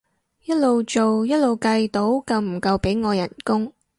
一路做一路計到夠唔夠俾我人工